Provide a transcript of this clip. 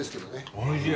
おいしい。